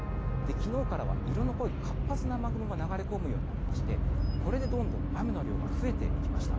昨日からは色の濃い活発な雨雲が流れ込むようになりましてこれでどんどん雨の量が増えていきました。